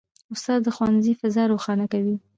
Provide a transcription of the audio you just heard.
استاد د ښوونځي فضا روښانه کوي.